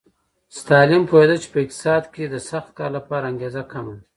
ستالین پوهېده چې په اقتصاد کې د سخت کار لپاره انګېزه کمه ده